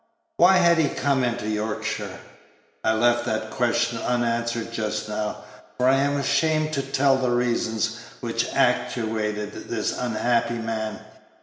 Why had he come into Yorkshire? I left that question unanswered just now, for I am ashamed to tell the reasons which actuated this unhappy man.